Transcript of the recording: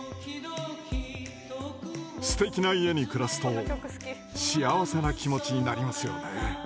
すてきな家に暮らすと幸せな気持ちになりますよね。